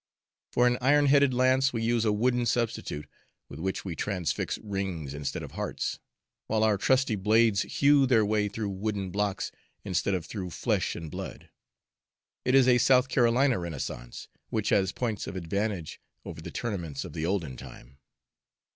For an iron headed lance we use a wooden substitute, with which we transfix rings instead of hearts; while our trusty blades hew their way through wooden blocks instead of through flesh and blood. It is a South Carolina renaissance which has points of advantage over the tournaments of the olden time."